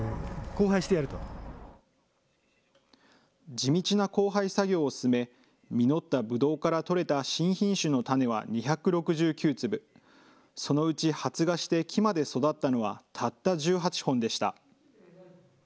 地道な交配作業を進め、実ったブドウから取れた新品種の種は２６９粒、そのうち発芽して木まで育ったのはたった１８本でした。